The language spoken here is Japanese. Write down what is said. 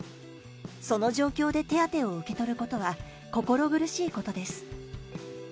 その状況で手当を受け取ることは心苦しいことです。